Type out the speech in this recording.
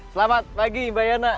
selamat pagi mbak yana